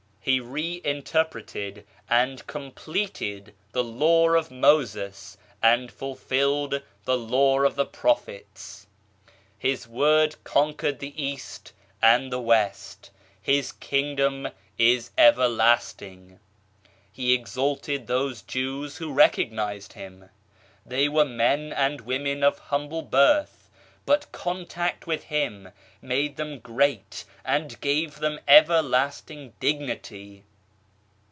He re interpreted and completed the Law of Moses and fulfilled the Law of the Prophets. His word conquered the East and the West. His Kingdom is Everlasting. He exalted those Jews who recognized Him. They were men and women of humble birth, but contact with Him made them great and gave them everlasting dignity.